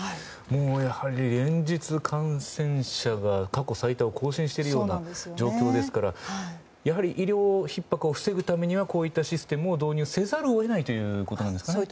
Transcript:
やはり連日、感染者が過去最多を更新しているような状況ですからやはり医療ひっ迫を防ぐためにはこうしたシステムを導入せざるを得ないということですか。